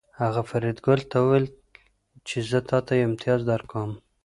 هغه فریدګل ته وویل چې زه تاته یو امتیاز درکوم